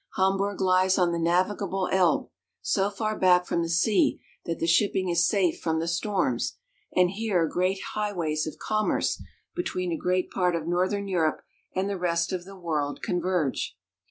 Hamburg lies on the navigable Elbe, so far back from the sea that the shipping is safe from the storms ; and here great highways of commerce, between a great part of northern Europe and the rest of the world, converge.